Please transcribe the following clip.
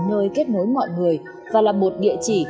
nơi kết nối mọi người và là một địa chỉ